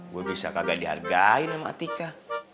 gue bisa kagak dihargai sama atika